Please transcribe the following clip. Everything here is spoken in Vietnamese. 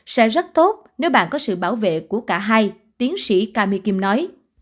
sẽ rất tốt nếu bạn có sự bảo vệ của cả hai tiến sĩ kami kim nói